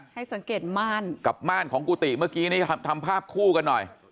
ให้สังเกตม่านกับม่านของกุฏิเมื่อกี้นี่ทำภาพคู่กันหน่อย